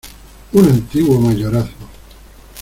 ¡ un antiguo mayorazgo!